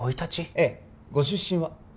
ええご出身は？